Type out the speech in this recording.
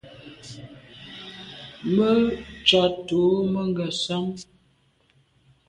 Me tsha’t’o me Ngasam.